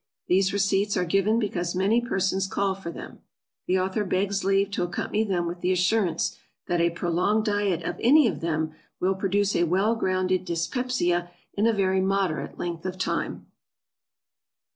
These receipts are given because many persons call for them; the author begs leave to accompany them with the assurance that a prolonged diet of any of them will produce a well grounded dyspepsia in a very moderate length of time.